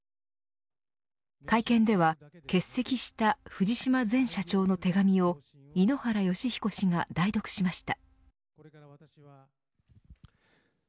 会見では、欠席した藤島前社長の手紙を井ノ原快彦氏が代読しました。